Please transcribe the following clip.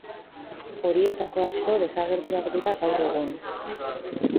Horietako asko desagertuak dira gaur egun.